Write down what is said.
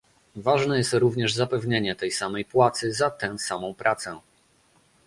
Ważne jest również zapewnienie tej samej płacy za tę samą pracę